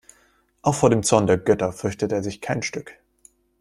Auch vor dem Zorn der Götter fürchtet er sich kein Stück.